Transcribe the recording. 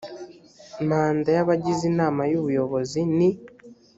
manda y abagize inama y ubuyobozi ni